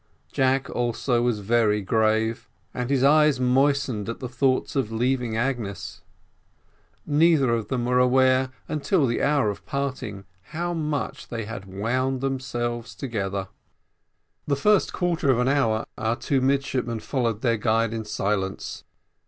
Jack also was very grave, and his eyes moistened at the thoughts of leaving Agnes. Neither of them were aware, until the hour of parting, how much they had wound themselves together. The first quarter of an hour our two midshipmen followed their guide in silence.